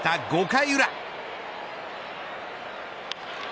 ５回裏。